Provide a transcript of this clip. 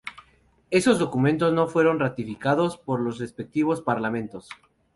Esos documentos no fueron ratificados por los respectivos parlamentos.